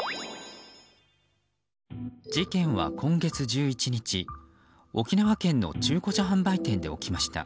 事件は今月１１日、沖縄県の中古車販売店で起きました。